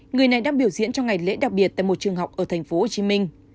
người này đang biểu diễn trong ngày lễ đặc biệt tại một trường học ở thành phố hồ chí minh